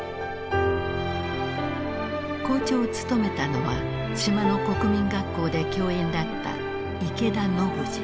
校長を務めたのは島の国民学校で教員だった池田信治。